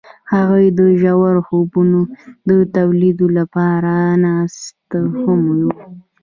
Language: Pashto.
هغوی د ژور خوبونو د لیدلو لپاره ناست هم وو.